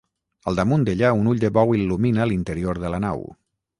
Al damunt d'ella un ull de bou il·lumina l'interior de la nau.